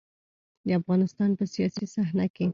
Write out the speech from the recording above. د افغانستان په سياسي صحنه کې.